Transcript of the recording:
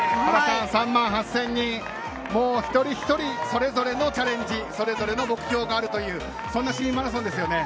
３万８０００人、一人一人それぞれのチャレンジや目標があるそんな市民マラソンですよね。